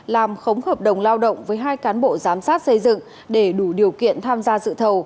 làm khống hợp đồng lao động với hai cán bộ giám sát xây dựng để đủ điều kiện tham gia dự thầu